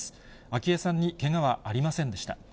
昭恵さんにけがはありませんでした。